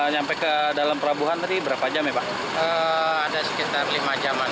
nyampe ke dalam pelabuhan tadi berapa jam ya pak